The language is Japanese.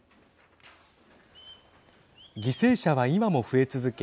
犠牲者は今も増え続け